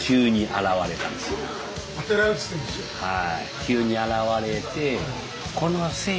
はい。